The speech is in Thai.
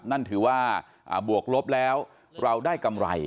นั่นถือว่าบวกลบแล้วเราได้กำไร